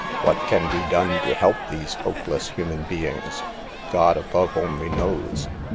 What can be done to save these hopeless human beings ? God above only knows.